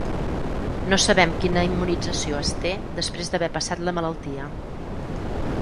No sabem quina immunització es té després d’haver passat la malaltia.